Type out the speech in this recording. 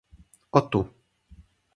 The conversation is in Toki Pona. o tu.